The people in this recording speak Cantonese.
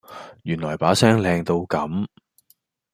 原来把聲靚到咁